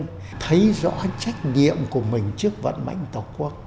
thấy rõ trách nhiệm của mình trước vận mệnh tổ quốc